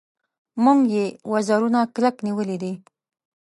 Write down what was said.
موږ یې وزرونه کلک نیولي دي.